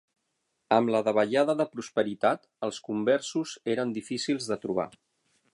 Amb la davallada de prosperitat, els conversos eren difícils de trobar.